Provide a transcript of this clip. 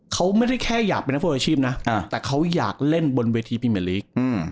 เขาไม่ได้แค่อยากเป็นนักฟุตบอลอาชีพนะแต่เขาอยากเล่นบนเวทีพรีเมอร์ลีก